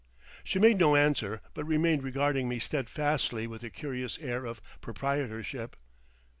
She made no answer, but remained regarding me steadfastly with a curious air of proprietorship.